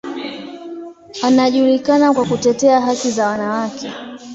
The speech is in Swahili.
Anajulikana kwa kutetea haki za wanawake.